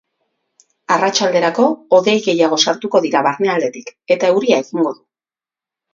Arratsalderako, hodei gehiago sartuko dira barnealdetik, eta euria egingo du.